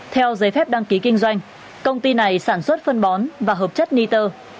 theo giấy phép đăng ký kinh doanh công ty này sản xuất phân bón và hợp chất niter